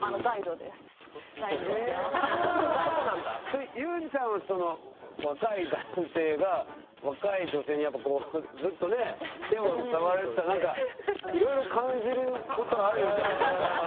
それ裕士さんは若い男性が若い女性にやっぱこうずっとね手を触られてたらいろいろ感じることあるんじゃない？